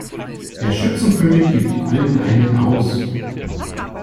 Der Schützenkönig gibt allen einen aus.